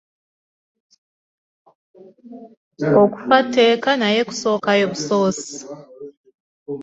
Okufa tteeka naye kusookayo busoosi.